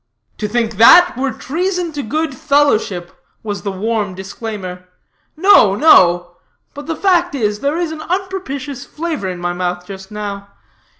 "To think that, were treason to good fellowship," was the warm disclaimer. "No, no. But the fact is, there is an unpropitious flavor in my mouth just now.